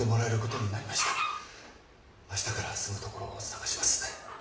明日から住む所を探します。